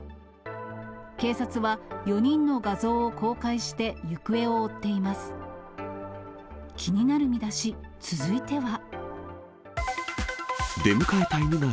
警察は、４人の画像を公開して、行方を追っています。